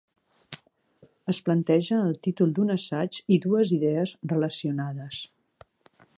Es planteja el títol d'un assaig i dues idees relacionades.